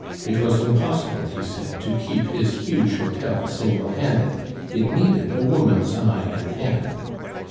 It was impossible, he said, to keep his huge hotel single handed; it needed a woman's eye and hand.